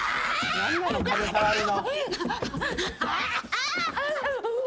何なの壁触るの。